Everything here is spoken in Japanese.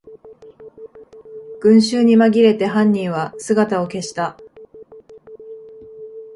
群集にまぎれて犯人は姿を消した